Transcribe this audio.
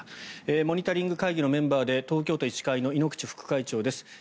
モニタリング会議のメンバーで東京都医師会の猪口副会長です。